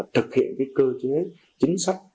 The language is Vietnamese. thực hiện cơ chế chính sách